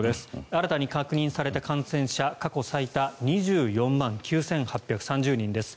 新たに確認された感染者過去最多２４万９８３０人です。